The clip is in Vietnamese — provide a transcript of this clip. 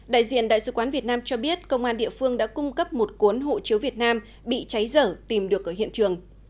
đại diện đại sứ quán việt nam cho biết công an địa phương đã cung cấp một cuốn hộ chiếu việt nam bị cháy dở tìm được ở hiện trường